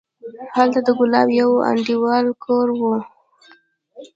هلته د ګلاب د يوه انډيوال کور و.